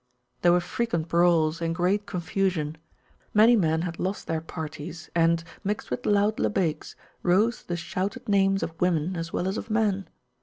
There were frequent brawls and great confusion; many men had lost their parties, and, mixed with loud Labbayks, rose the shouted names of women as well as of men.